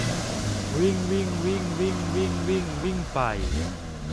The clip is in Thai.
วิ่งวิ่งวิ่งวิ่งวิ่งวิ่ง วิ่งไป